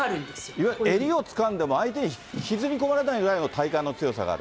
いわゆる襟をつかんでも、相手に引きずり込まれないくらいの体幹の強さがある。